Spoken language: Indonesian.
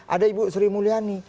ada ibu sri mulyani